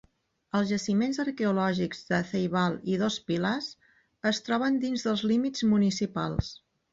Els jaciments arqueològics de Ceibal i Dos Pilas es troben dins dels límits municipals.